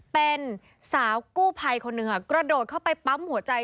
เป็นสาวกู้ภัยคนหนึ่งค่ะกระโดดเข้าไปปั๊มหัวใจ